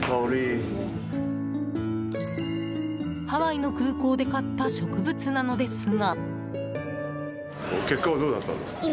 ハワイの空港で買った植物なのですが。